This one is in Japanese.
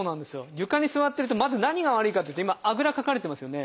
床に座ってるとまず何が悪いかっていうと今あぐらかかれてますよね。